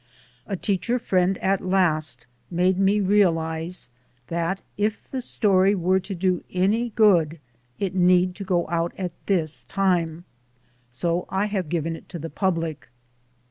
A teacher friend at last made me realize that if the story were to do any good it need to go out at this time; so I have given it to the public.